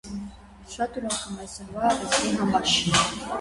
Շատ ուրախ եմ այսօրվա առիթի համար։